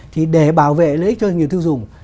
thì để bảo vệ lợi ích cho doanh nghiệp tiêu dùng